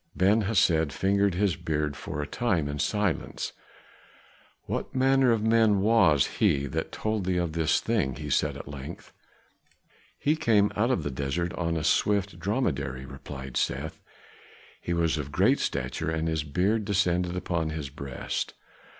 Ben Hesed fingered his beard for a time in silence. "What manner of man Was he that told thee of this thing?" he said at length. "He came out of the desert on a swift dromedary," replied Seth. "He was of great stature and his beard descended upon his breast.